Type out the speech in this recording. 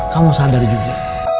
kamu sadar juga